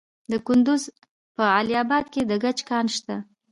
د کندز په علي اباد کې د ګچ کان شته.